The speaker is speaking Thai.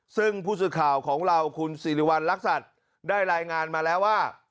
ซึ่งผู้สื่อข่าวของเราคุณสิริวัณรักษัตริย์ได้รายงานมาแล้วว่า